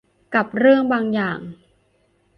กับเรื่องบางอย่าง